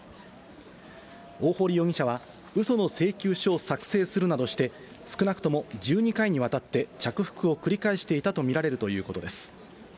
大堀容疑者は、うその請求書を作成するなどして、少なくとも１２回にわたって着服を繰り返していたと見られるということです。